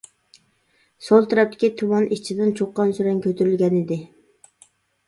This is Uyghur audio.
سول تەرەپتىكى تۇمان ئىچىدىن چۇقان-سۈرەن كۆتۈرۈلگەنىدى.